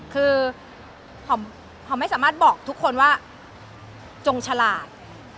คือหอมไม่สามารถบอกทุกคนว่าจงฉลาด